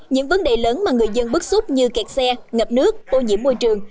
những vấn đề lớn mà người dân bức xúc như kẹt xe ngập nước ô nhiễm môi trường